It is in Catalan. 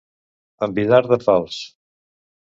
Envidar de fals.